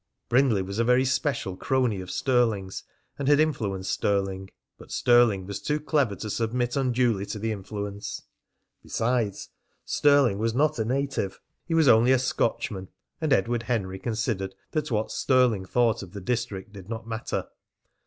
Brindley was a very special crony of Stirling's, and had influenced Stirling. But Stirling was too clever to submit unduly to the influence. Besides, Stirling was not a native; he was only a Scotchman, and Edward Henry considered that what Stirling thought of the district did not matter.